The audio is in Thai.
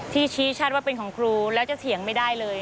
ชี้ชัดว่าเป็นของครูแล้วจะเถียงไม่ได้เลย